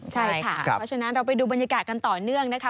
ใช่ค่ะเพราะฉะนั้นเราไปดูบรรยากาศกันต่อเนื่องนะคะ